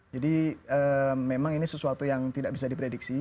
jadi memang ini sesuatu yang tidak bisa diprediksi